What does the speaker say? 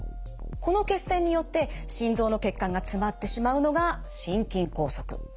この血栓によって心臓の血管が詰まってしまうのが心筋梗塞。